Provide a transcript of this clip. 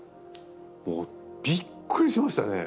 もうびっくりしましたね。